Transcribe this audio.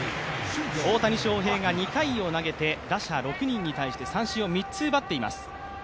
大谷翔平が２回を投げて打者６人に対して三振を３つ奪っています。